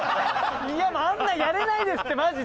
あんなのやれないですってマジで。